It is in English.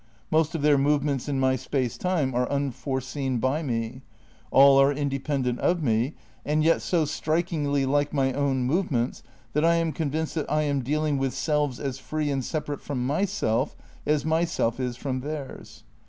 Most of their movements in my space time are unforeseen by me, all are independent of me, and yet so strikingly like my own movements that I am convinced that I am dealing with selves as free and separate from my self as my self is from theirs.